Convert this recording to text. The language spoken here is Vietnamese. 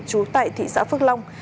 trú tại thị xã phước long